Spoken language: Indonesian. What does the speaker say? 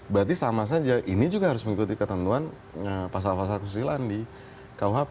berarti sama saja ini juga harus mengikuti ketentuan pasal pasal kesusilaan di kuhp